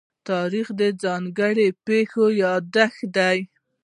تاریخ د ځانګړو پېښو يادښت دی.